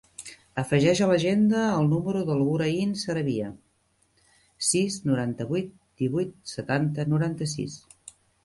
Afegeix a l'agenda el número de la Hoorain Saravia: sis, noranta-vuit, divuit, setanta, noranta-sis.